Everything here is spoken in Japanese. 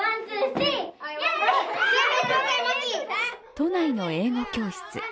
都内の英語教室。